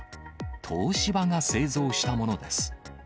東芝が製造したものです。